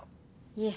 いえ。